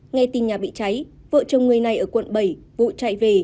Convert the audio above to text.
nghe tin nhà bị cháy vợ chồng người này ở quận bảy vụ chạy về